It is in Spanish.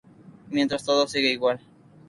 Mientras, todo sigue igual...